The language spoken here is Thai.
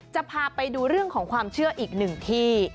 จะพาไปดูเรื่องของความเชื่ออีกหนึ่งที่